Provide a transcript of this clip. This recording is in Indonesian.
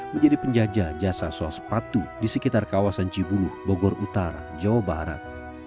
menjadi penjaja jasa sol sepatu di sekitar kawasan cibuluh bogor utara jawa barat